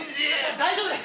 大丈夫です！